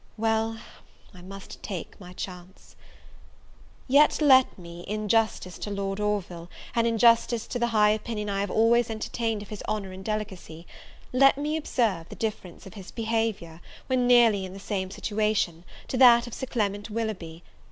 Well, I must take my chance! Yet let me, in the justice to Lord Orville, and in justice to the high opinion I have always entertained of his honour and delicacy, let me observe the difference of his behaviour, when nearly in the same situation, to that of Sir Clement Willoughby.